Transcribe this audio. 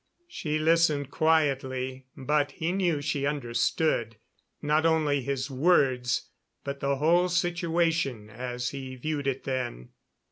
She listened quietly, but he knew she understood, not only his words, but the whole situation as he viewed it then.